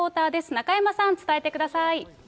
中山さん、伝えてください。